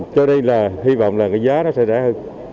cho đây là hy vọng là cái giá đó sẽ rẻ hơn